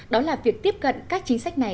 đó là việc tiếp cận các chính sách này